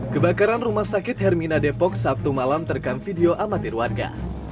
kebakaran rumah sakit hermina depok sabtu malam terekam video amatir warga